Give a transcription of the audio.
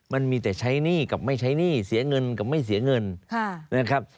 มันมีแต่ใช้หนี้กับไม่ใช้หนี้เสียเงินกับไม่เสียเงินนะครับ